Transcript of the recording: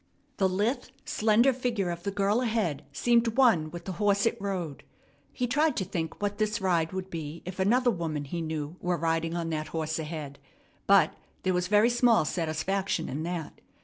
The lithe, slender figure of the girl ahead seemed one with the horse it rode. He tried to think what this ride would be if another woman he knew were riding on that horse ahead, but there was very small satisfaction in that.